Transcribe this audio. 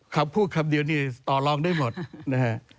คำพูดคำเดียวนี่ต่อรองได้หมดนะฮะ